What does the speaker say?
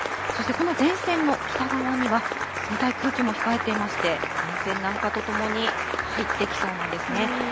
そしてこの前線の北側には、冷たい空気も控えていまして、前線南下とともに入ってきそうなんですね。